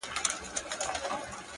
د سترگو سرو لمبو ته دا پتنگ در اچوم ـ